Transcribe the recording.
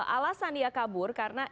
alasan dia kabur karena